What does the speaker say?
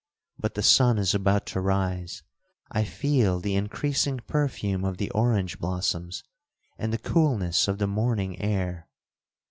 But the sun is about to rise, I feel the increasing perfume of the orange blossoms, and the coolness of the morning air.